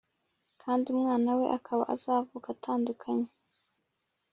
kandi umwana we akaba azavuka atanduye.